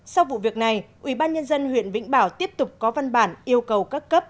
sau vụ việc này ubnd huyện vĩnh bảo tiếp tục có văn bản yêu cầu các cấp